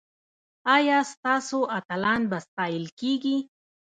ایا ستاسو اتلان به ستایل کیږي؟